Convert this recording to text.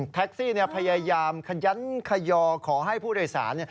แท็กซี่พยายามขยันขยอขอให้ผู้โดยสาร